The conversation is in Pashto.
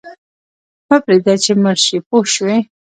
مه پرېږده چې مړ شې پوه شوې!.